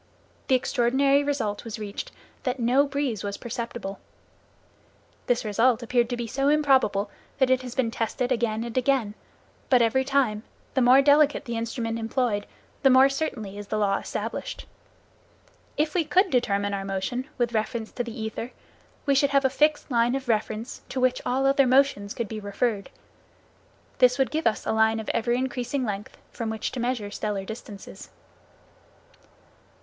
The extraordinary result was reached that no breeze was perceptible. This result appeared to be so improbable that it has been tested again and again, but every time, the more delicate the instrument employed, the more certainly is the law established. If we could determine our motion with reference to the ether, we should have a fixed line of reference to which all other motions could be referred. This would give us a line of ever increasing length from which to measure stellar distances.